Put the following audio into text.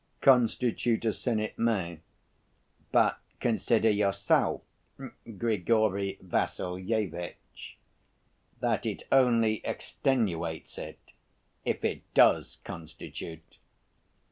"Constitute a sin it may, but consider yourself, Grigory Vassilyevitch, that it only extenuates it, if it does constitute.